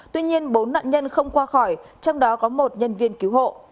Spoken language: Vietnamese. tuy nhiên bốn nạn nhân không qua khỏi trong đó có một nhân viên cứu hộ